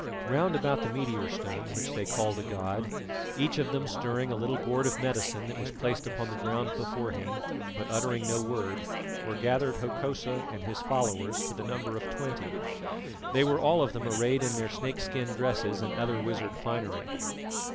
Round about the meteor stone which they called a god, each of them stirring a little gourd of medicine that was placed upon the ground before him, but uttering no word, were gathered Hokosa and his followers to the number of twenty. They were all of them arrayed in their snakeskin dresses and other wizard finery.